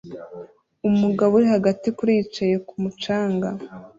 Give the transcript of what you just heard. Umugabo uri hagati kuri yicaye kumu canga